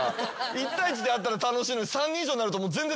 １対１で会ったら楽しいのに。